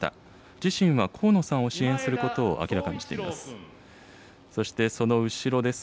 自身は河野さんを支援することを明らかにしています。